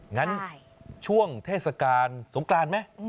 งั้นช่วงเทศกาลสงกรานไหม